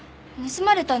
盗まれた？